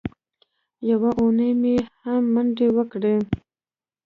یوه اونۍ مې هم منډې وکړې.